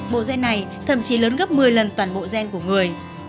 bộ gen này thậm chí lớn gấp một mươi lần toàn bộ gen của người